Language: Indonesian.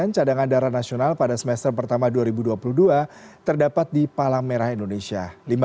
cadangan darah nasional pada semester pertama dua ribu dua puluh dua terdapat di palang merah indonesia